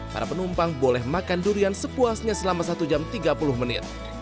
para penumpang boleh makan durian sepuasnya selama satu jam tiga puluh menit